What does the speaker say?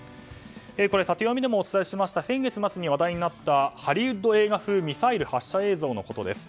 タテヨミでもお伝えしました先月末に話題になったハリウッド映画風ミサイル発射映像のことです。